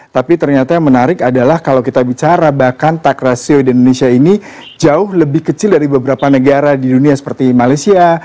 tapi ternyata yang menarik adalah kalau kita bicara bahkan tak rasio di indonesia ini jauh lebih kecil dari beberapa negara di dunia seperti malaysia